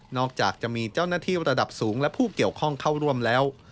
จากจะมีเจ้าหน้าที่ระดับสูงและผู้เกี่ยวข้องเข้าร่วมแล้ว